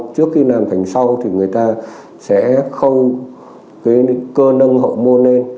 trước khi làm thành sau thì người ta sẽ khâu cái cơ nâng hậu môn lên